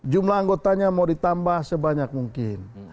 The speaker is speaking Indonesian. jumlah anggotanya mau ditambah sebanyak mungkin